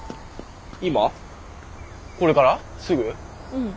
うん。